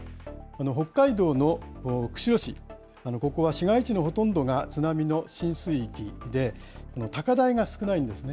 北海道の釧路市、ここは市街地のほとんどが津波の浸水域で、高台が少ないんですね。